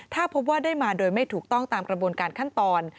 ถ้าพบว่าได้มาโดยไม่ถูกต้องตามกระบวนการขั้นตอน